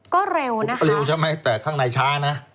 ก็เร็วนะเร็วใช่ไหมแต่ข้างในช้านะ